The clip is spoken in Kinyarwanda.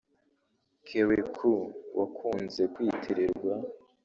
Kérékou wakunze kwitirirwa